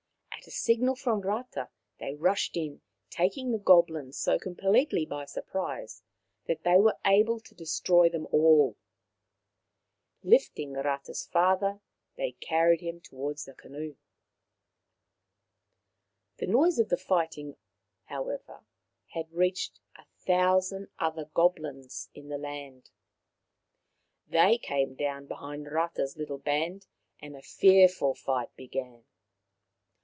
At a signal from Rata they rushed in, taking the goblins so completely by surprise that they were able to destroy them all. Lifting Rata's father, they carried him towards the canoe. The noise of the fighting, however, had reached a thousand other goblins in the land. They came down behind Rata's little band, and a fearful fight began.